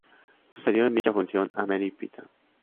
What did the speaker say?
Sucedió en dicha función a Meri Pita.